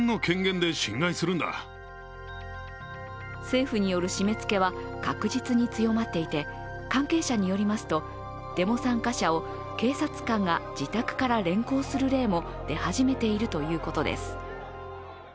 政府による締めつけは確実に強まっていて関係者によりますと、デモ参加者を警察官が自宅から連行する例も出始めているということです。